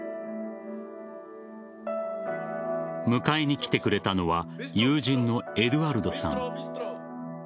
迎えに来てくれたのは友人のエドゥアルドさん。